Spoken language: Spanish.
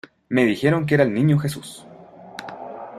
me dijeron que era el Niño Jesús.